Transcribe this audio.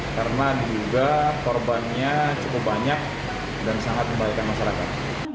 karena juga korbannya cukup banyak dan sangat membaikan masyarakat